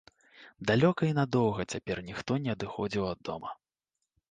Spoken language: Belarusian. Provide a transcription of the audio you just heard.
Далёка і надоўга цяпер ніхто не адыходзіў ад дома.